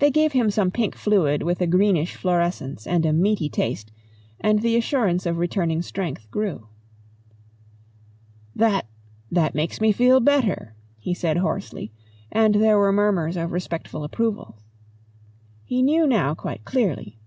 They gave him some pink fluid with a greenish fluorescence and a meaty taste, and the assurance of returning strength grew. "That that makes me feel better," he said hoarsely, and there were murmurs of respectful approval. He knew now quite clearly.